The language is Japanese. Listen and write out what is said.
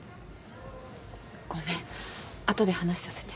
ごめん後で話させて。